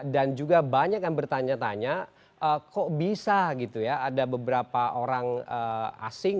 dan juga banyak yang bertanya tanya kok bisa gitu ya ada beberapa orang asing